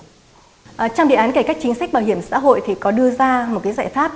trong đề án kể cách chính sách bảo hiểm xã hội thì có đưa ra một cái giải pháp